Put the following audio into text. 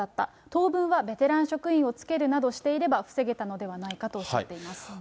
当分はベテラン職員をつけるなどしていれば、防げたのではないかとおっしゃっています。